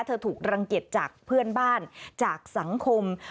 ถูกรังเกียจจากเพื่อนบ้านจากสังคม